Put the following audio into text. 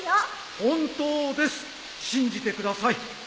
本当です信じてください。